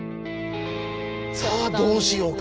「さあどうしようか」か。